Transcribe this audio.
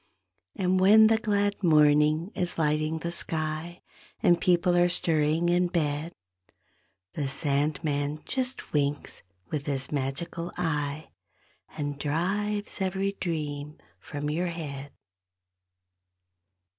And when the glad morning is lighting the sky And people are stirring in bed, The Sandman just winks with his magical eye And drives every dream from your head.